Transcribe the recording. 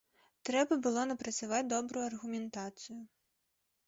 Трэба было напрацаваць добрую аргументацыю.